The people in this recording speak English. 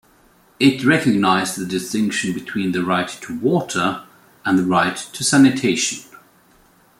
It recognized the distinction between the right to water and the right to sanitation.